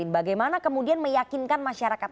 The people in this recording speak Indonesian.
bagaimana kemudian meyakinkan masyarakat